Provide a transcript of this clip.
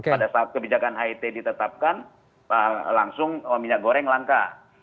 pada saat kebijakan het ditetapkan langsung minyak goreng langka